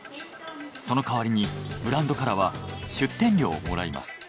その代わりにブランドからは出展料をもらいます。